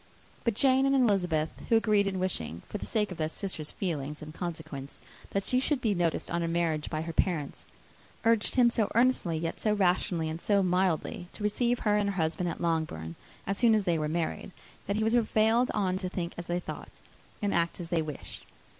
But Jane and Elizabeth, who agreed in wishing, for the sake of their sister's feelings and consequence, that she should be noticed on her marriage by her parents, urged him so earnestly, yet so rationally and so mildly, to receive her and her husband at Longbourn, as soon as they were married, that he was prevailed on to think as they thought, and act as they wished.